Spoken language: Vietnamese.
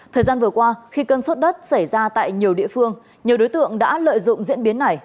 thời gian vừa qua khi cơn sốt đất xảy ra tại nhiều địa phương nhiều đối tượng đã lợi dụng diễn biến này